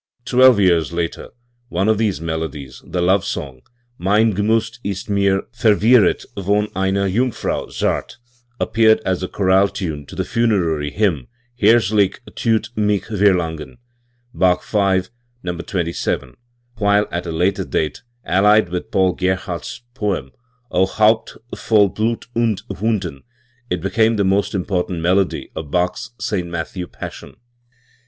Twelve years later, one of these melodies, the love song "Mein G'nrat ist mir verwirret von einer Jungfrau zart" appear ed as a chorale tune to the funerary hymn "Herzlich thut mich verlangen" (Bach V, No. 27), while at a later date, allied with Paul Gerhardt's poem "O Haupt voll Blut und Wunden", it became the most important melody of Baches St. Matthew Passion.